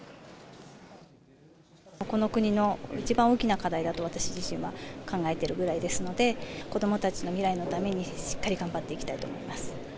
この国の一番大きな課題だと私自身は考えているぐらいですので、子どもたちの未来のためにしっかり頑張っていきたいと思います。